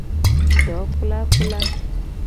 Dokplakpla.